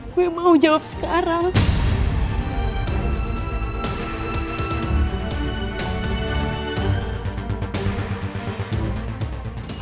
gue mau jawab sekarang